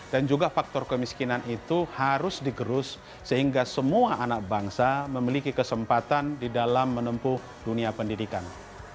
dan juga faktor kemiskinan itu harus digerus sehingga semua anak bangsa memiliki kesempatan di dalam menempuh dunia pendidikan